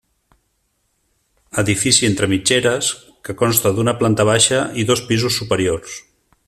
Edifici entre mitgeres, que consta d'una planta baixa i dos pisos superiors.